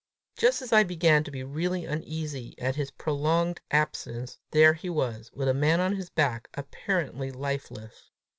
Just as I began to be really uneasy at his prolonged absence, there he was, with a man on his back apparently lifeless!